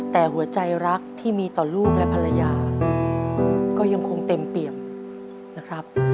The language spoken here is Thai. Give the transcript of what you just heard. แต่หัวใจรักที่มีต่อลูกและภรรยาก็ยังคงเต็มเปรียบนะครับ